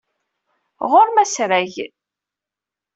Ɣur-m asrag.